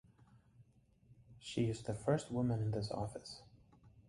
She is the first woman in this office.